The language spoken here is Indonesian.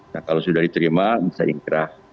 nah kalau sudah diterima bisa ingkrah